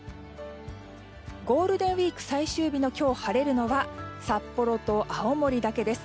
ゴールデンウィーク最終日の今日晴れるのは札幌と青森だけです。